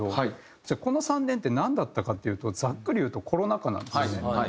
じゃあこの３年ってなんだったかっていうとざっくり言うとコロナ禍なんですよね。